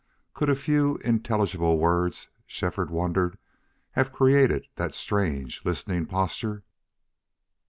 Could a few intelligible words, Shefford wondered, have created that strange, listening posture?